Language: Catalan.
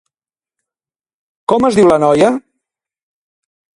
Com es diu la noia?